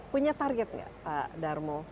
punya target nggak pak darmo